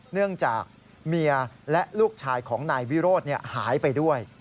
เนื่องจากเมียและลูกชายของนายวิโรธหายไปด้วย